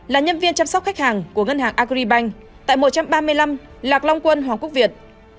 là nhân viên chăm sóc khách hàng của ngân hàng agribank tại một trăm ba mươi năm lạc long quân hoàng quốc việt